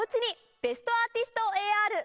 ベストアーティストＡＲ。